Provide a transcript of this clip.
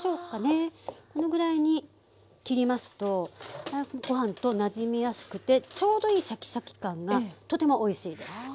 このぐらいに切りますとご飯となじみやすくてちょうどいいシャキシャキ感がとてもおいしいです。